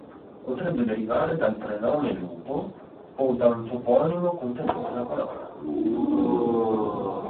Potrebbe derivare dal prenome Lupo o da un toponimo contenente la parola.